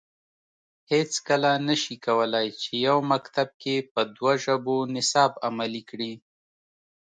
هیڅکله نه شي کولای چې یو مکتب کې په دوه ژبو نصاب عملي کړي